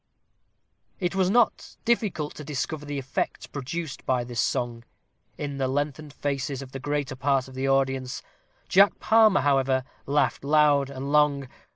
It was not difficult to discover the effect produced by this song, in the lengthened faces of the greater part of the audience. Jack Palmer, however, laughed loud and long.